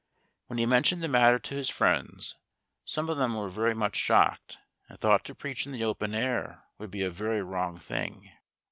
When he mentioned the matter to his friends, some of them were very much shocked, and thought to preach in the open air would be a very wrong thing.